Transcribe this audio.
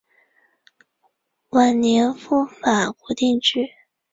晚年赴法国定居。